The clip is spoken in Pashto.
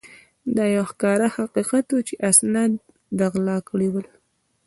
دا یو ښکاره حقیقت وو چې اسناد ده غلا کړي ول.